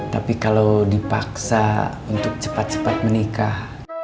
tapi kalau dipaksa untuk cepat cepat menikah